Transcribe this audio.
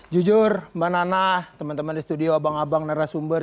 jujur mbak nana teman teman di studio abang abang narasumber